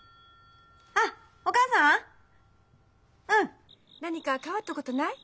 あお母さんうん。何か変わったことない？